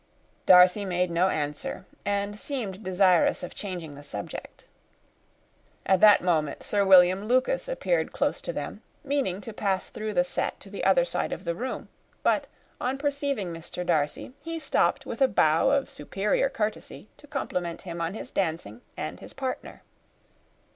Darcy made no answer, and seemed desirous of changing the subject. At that moment Sir William Lucas appeared close to them, meaning to pass through the set to the other side of the room; but, on perceiving Mr. Darcy, he stopped, with a bow of superior courtesy, to compliment him on his dancing and his partner.